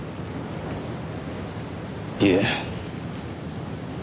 いえ。